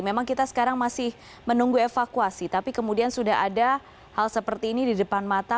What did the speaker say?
memang kita sekarang masih menunggu evakuasi tapi kemudian sudah ada hal seperti ini di depan mata